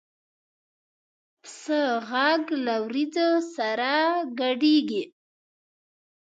پسه غږ له وریځو سره ګډېږي.